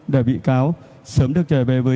để bị cáo sớm được trở về với gia đình với xã hội